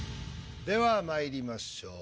ではまいりましょう。